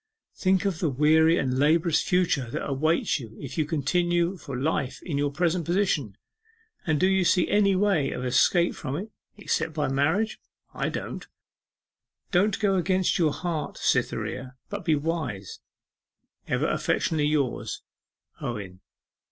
Think of the weary and laborious future that awaits you if you continue for life in your present position, and do you see any way of escape from it except by marriage? I don't. Don't go against your heart, Cytherea, but be wise. Ever affectionately yours, OWEN.